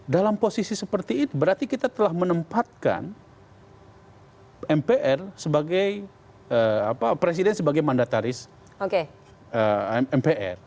dalam posisi seperti itu berarti kita telah menempatkan mpr sebagai presiden sebagai mandataris mpr